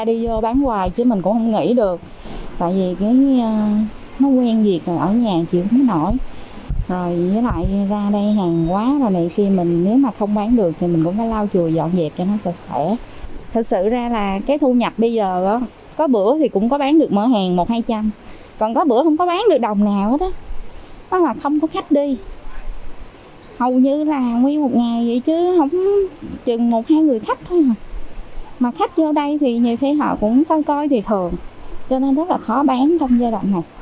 khách đi hầu như là nguyên một ngày vậy chứ không chừng một hai người khách thôi mà khách vô đây thì nhiều khi họ cũng coi coi thì thường cho nên rất là khó bán trong giai đoạn này